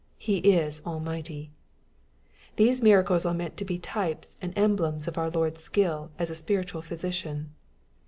He is almighty. These miracles are meant to be types and emblems of our Lord's skill as a spiritual physician.